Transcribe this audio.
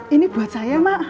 ini buat saya mak